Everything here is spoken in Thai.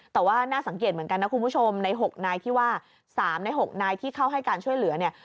แต่ว่าน่าสังเกตเหมือนกันนะคุณผู้ชมใน๖นายที่ว่า๓ใน๖นายที่เข้าให้การช่วยเหลือเนี่ย